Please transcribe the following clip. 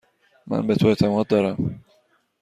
من به تو اعتماد دارم.